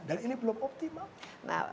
dan ini belum optimal